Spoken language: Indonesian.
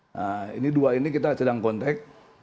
nah ini dua ini kita sedang kontak